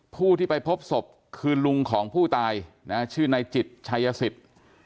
ผู้ที่ไปพบศพคือลุงของผู้ตายนะชื่อนายจิตชัยสิทธิ์